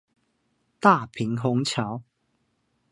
大平紅橋